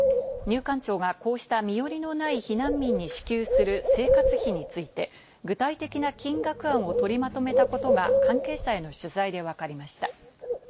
入管庁がこうした身寄りのない避難民に支給する生活費について、具体的な金額案をとりまとめたことが関係者への取材でわかりました。